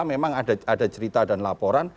memang ada cerita dan laporan